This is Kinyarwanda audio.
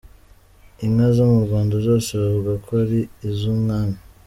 Inka zo mu Rwanda zose bavugaga ko ari iz’umwami.